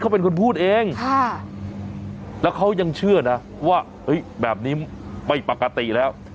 เขาเป็นคนพูดเองแล้วเขายังเชื่อนะว่าแบบนี้ไม่ปกติแล้ว